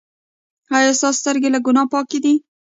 ایا ستاسو سترګې له ګناه پاکې دي؟